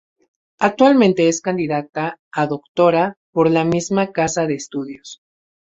Actualmente es candidata a doctora por la misma casa de estudios.